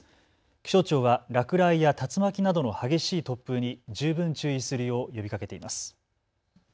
気象庁は落雷や竜巻などの激しい突風に十分注意するよう呼びかけています。